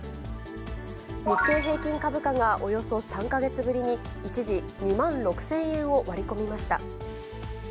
日経平均株価がおよそ３か月ぶりに一時、２万６０００円を割り込みました。